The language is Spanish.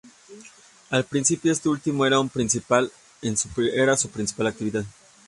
Al principio, este último era su principal actividad.